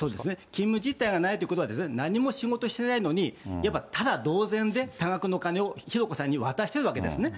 勤務実態がないということは、なにも仕事してないのに、やっぱただ同然で多額の金を浩子さんに渡してるわけですね。